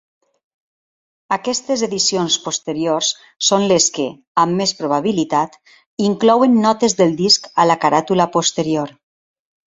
Aquestes edicions posteriors són les que, amb més probabilitat, inclouen notes del disc a la caràtula posterior.